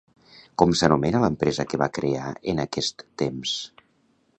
Com s'anomena l'empresa que va crear en aquest temps?